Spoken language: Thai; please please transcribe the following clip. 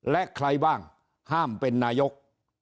และใครบ้างห้ามเป็นนายก